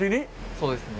そうですね。